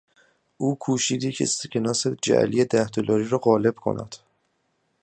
او کوشید یک اسکناس جعلی ده دلاری را قالب کند.